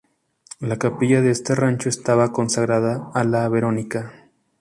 La capilla de este rancho estaba consagrada a la Verónica.